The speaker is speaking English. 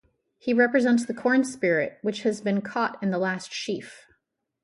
He represents the corn-spirit which has been caught in the last sheaf.